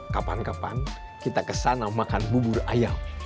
kapan kapan kita kesana makan bubur ayam